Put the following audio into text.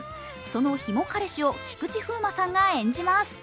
そのヒモ彼氏を菊池風磨さんが演じます。